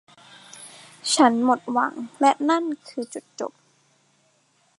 ฉันหมดหวังและนั่นคือจุดจบ